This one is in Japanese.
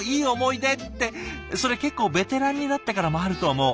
ってそれ結構ベテランになってからもあると思う。